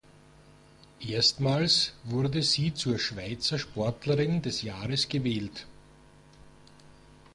Erstmals wurde sie zur Schweizer Sportlerin des Jahres gewählt.